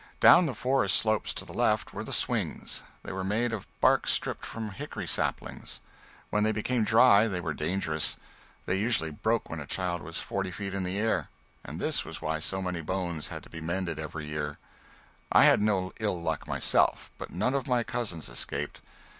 Down the forest slopes to the left were the swings. They were made of bark stripped from hickory saplings. When they became dry they were dangerous. They usually broke when a child was forty feet in the air, and this was why so many bones had to be mended every year. I had no ill luck myself, but none of my cousins escaped.